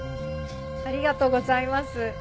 ありがとうございます。